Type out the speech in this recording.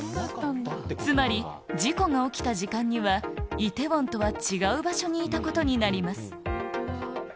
つまり、事故が起きた時間には、イテウォンとは違う場所にいたことになります。